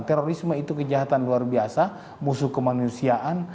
terorisme itu kejahatan luar biasa musuh kemanusiaan